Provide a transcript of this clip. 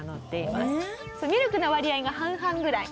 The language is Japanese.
ミルクの割合が半々ぐらい。